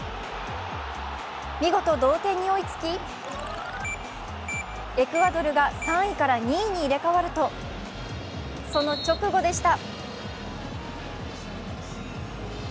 見事同点に追いつき、エクアドルが３位から２位に入れ替わると、その直後でした。